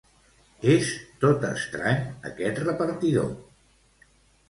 És tot estrany aquest repartidor.